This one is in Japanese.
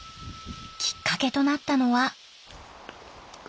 きっかけとなったのは。